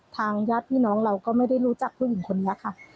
ทางญาติพี่น้องเราก็ไม่ได้รู้จักผู้หญิงคนนี้ค่ะ